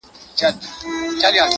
سفر ذهن تازه کوي